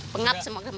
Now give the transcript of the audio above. pengap sama udara